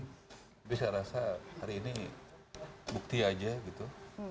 tapi saya rasa hari ini bukti aja gitu